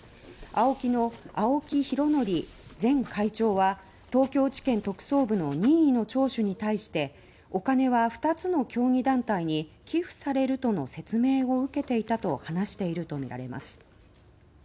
ＡＯＫＩの青木拡憲前会長は東京地検特捜部の任意の聴取に対して「お金は２つの競技団体に寄付されるとの説明を受けていた」と話しているとみられます。